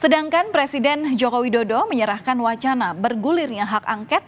sedangkan presiden joko widodo menyerahkan wacana bergulirnya hak angket